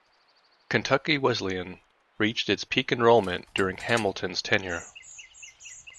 Kentucky Wesleyan reached its peak enrollment during Hamilton's tenure.